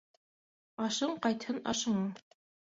Ашың ҡайтһын ашыңа